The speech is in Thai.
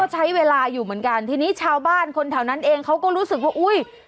ใช้เวลาอยู่เหมือนกันทีนี้ชาวบ้านคนแถวนั้นเองเขาก็รู้สึกว่าอุ้ย